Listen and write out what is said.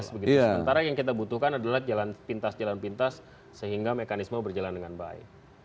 sementara yang kita butuhkan adalah jalan pintas jalan pintas sehingga mekanisme berjalan dengan baik